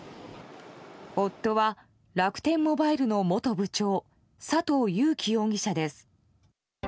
夫は楽天モバイルの元部長佐藤友紀容疑者です。